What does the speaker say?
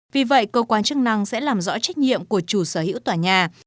vì vậy cơ quan chức năng sẽ làm rõ trách nhiệm của chủ sở hữu tòa nhà